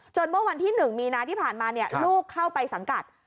เมื่อวันที่๑มีนาที่ผ่านมาลูกเข้าไปสังกัด